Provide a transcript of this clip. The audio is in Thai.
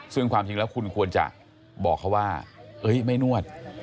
ซึ่งความจริงแล้วคุณควรจะบอกเขาว่าไม่นวด